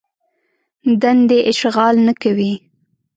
دندې اشغال نه کوي.